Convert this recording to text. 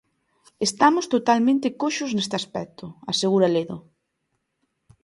"Estamos totalmente coxos neste aspecto", asegura Ledo.